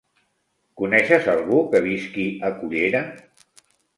Coneixes algú que visqui a Cullera?